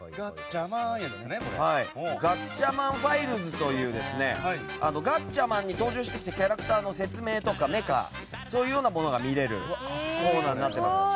ガッチャマンファイルズという「ガッチャマン」に登場してきたキャラの説明とかメカの説明が見られるコーナーになっています。